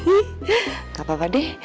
nggak apa apa deh